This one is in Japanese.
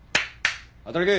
働け。